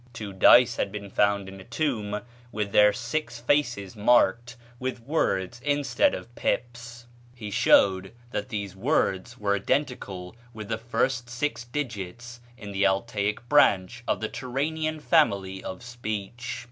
Two dice had been found in a tomb, with their six faces marked with words instead of pips. He showed that these words were identical with the first six digits in the Altaic branch of the Turanian family of speech.